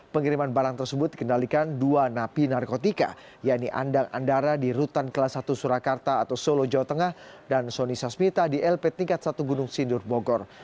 pengiriman barang tersebut dikendalikan dua napi narkotika yaitu andang andara di rutan kelas satu surakarta atau solo jawa tengah dan soni sasmita di lp tingkat satu gunung sindur bogor